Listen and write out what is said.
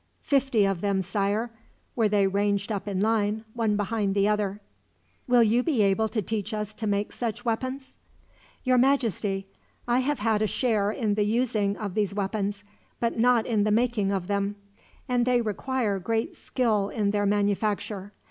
"Fifty of them, Sire, were they ranged up in line, one behind the other." "Will you be able to teach us to make such weapons?" "Your Majesty, I have had a share in the using of these weapons, but not in the making of them; and they require great skill in their manufacture.